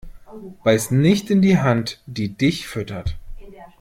Beiß nicht in die Hand, die dich füttert.